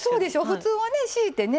普通はねひいてね